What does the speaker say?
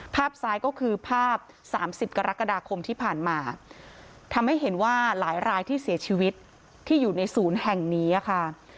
ภาพซ้ายก็คือภาพ๓๐กรกฎาคมที่ผ่านมาทำให้เห็นว่าหลายรายที่เสียชีวิตที่อยู่ในศูนย์แห่งนี้ค่ะ